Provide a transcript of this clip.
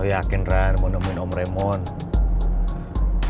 lo yakin ran mau nemuin om raymond